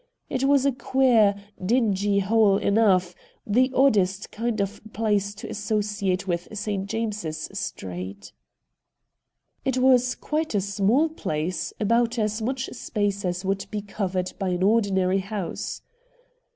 It was a queer, dingy hole enough ; the oddest kind of place to associate with St. James's Street. It was quite a small place, about as much space as would be covered by an ordinary house.